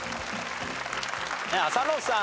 浅野さん。